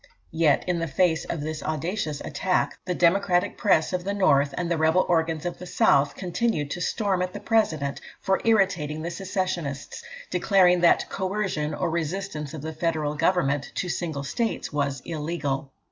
Yet, in the face of this audacious attack, the Democratic press of the North and the rebel organs of the South continued to storm at the President for irritating the secessionists, declaring that "coercion" or resistance of the Federal Government to single states was illegal.